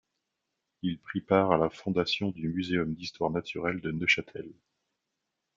Il prit part à la fondation du Muséum d'histoire naturelle de Neuchâtel.